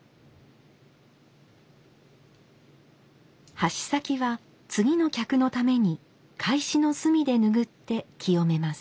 箸先は次の客のために懐紙の隅でぬぐって清めます。